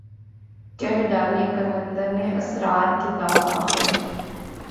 کہہ ڈالے قلندر نے اسرار کتاب آخر